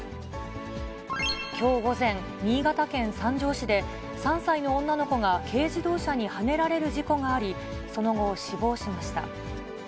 きょう午前、新潟県三条市で、３歳の女の子が軽自動車にはねられる事故があり、その後、死亡しました。